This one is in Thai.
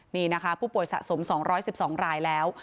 นี่นะคะผู้ป่วยสะสม๒๑๒รายแล้ว